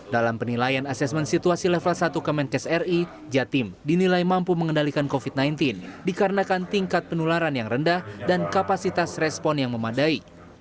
dalam penilaian asesmen situasi level satu kemenkes ri jatim dinilai mampu mengendalikan covid sembilan belas dikarenakan tingkat penularan yang rendah dan kapasitas respon yang memadai